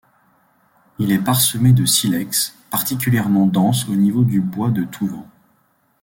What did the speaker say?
Il est parsemé de silex, particulièrement denses au niveau du bois de Tous-Vents.